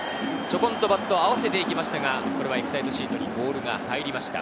ちょこんとバットを合わせて行きましたがエキサイトシートにボールが入りました。